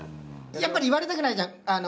やっぱり言われたくないじゃんあの。